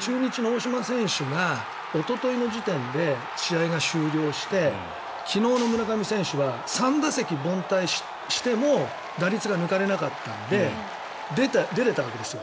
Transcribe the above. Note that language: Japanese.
中日の大島選手がおとといの時点で試合が終了して昨日の村上選手は３打席凡退しても打率が抜かれなかったので出れたわけですよ。